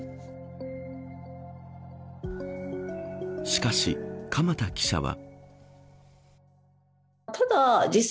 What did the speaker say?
しかし鎌田記者は。